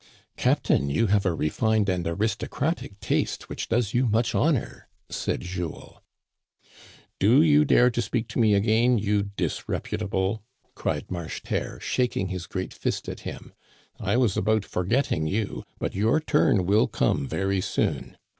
" Captain, you have a refined and aristocratic taste which does you much honor," said Jules. " Do you dare to speak to me again, you disreputa ble," cried Marcheterre, shaking his great fist at him. I was about forgetting you, but your turn will come very soon.